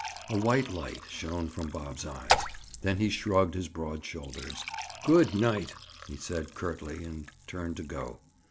A white light shone from Bob's eyes. Then he shrugged his broad shoulders. "Good night," he said curtly and turned to go.